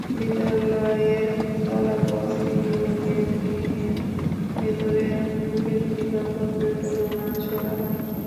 বিদ্যালয়ের collapsible gate ভেঙে ভেতরে ঢুকে দুটি কক্ষে পেট্রলবোমা ছোড়া হয়।